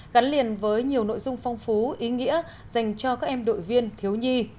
gắn liền với nhiều nội dung phong phú ý nghĩa dành cho các em đội viên thiếu nhi